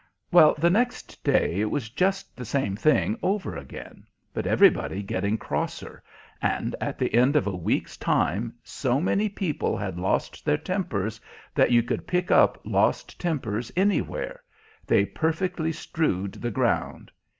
Well, the next day, it was just the same thing over again, but everybody getting crosser; and at the end of a week's time so many people had lost their tempers that you could pick up lost tempers anywhere; they perfectly strewed the ground.